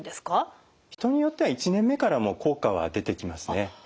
人によっては１年目からも効果は出てきますね。